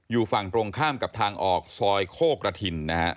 อยู่ฝั่งตรงข้ามกับทางออกซอยโคกกระทินนะฮะ